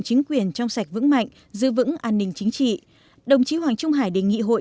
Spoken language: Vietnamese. chính quyền trong sạch vững mạnh giữ vững an ninh chính trị đồng chí hoàng trung hải đề nghị hội